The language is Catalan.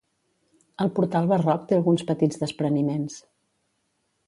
El portal barroc té alguns petits despreniments.